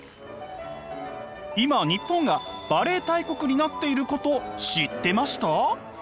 今日本がバレエ大国になっていること知ってました？